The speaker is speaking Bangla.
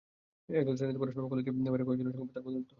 একাদশ শ্রেণিতে পড়ার সময় কলেজের বাইরের কয়েকজনের সঙ্গে তাঁর বন্ধুত্ব হয়।